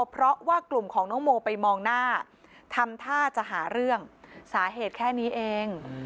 เพราะว่ากลุ่มของน้องโมไปมองหน้าทำท่าจะหาเรื่องสาเหตุแค่นี้เอง